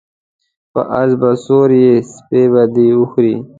په اس به سپور یی سپی به دی وخوري